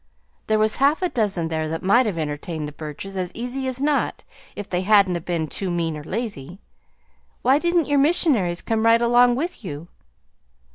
There was half a dozen there that might have entertained the Burches as easy as not, if they hadn't 'a' been too mean or lazy. Why didn't your missionaries come right along with you?"